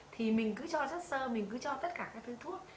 thì mình cứ cho rất sơ mình cứ cho tất cả các thứ thuốc